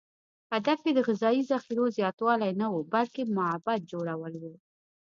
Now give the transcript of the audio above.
هدف یې د غذایي ذخیرې زیاتوالی نه و، بلکې معبد جوړول و.